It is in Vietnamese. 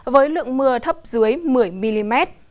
với lượng mưa thấp dưới một mươi mm